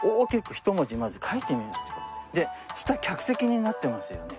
で下客席になってますよね。